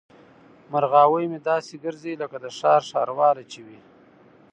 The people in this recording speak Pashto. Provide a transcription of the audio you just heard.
مرغاوۍ مې داسې ګرځي لکه د ښار ښارواله چې وي.